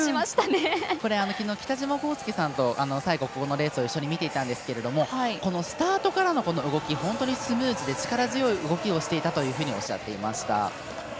昨日、北島康介さんと最後このレースを一緒に見ていたんですけれどもスタートからの動きが本当にスムーズで力強い動きをしていたとおっしゃっていました。